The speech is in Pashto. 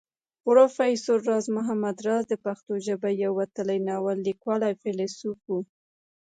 پروفېسر راز محمد راز د پښتو ژبې يو وتلی ناول ليکوال او فيلسوف وو